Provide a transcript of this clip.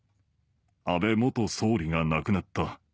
安倍元総理が亡くなった。